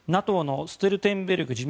ＮＡＴＯのストルテンベルグ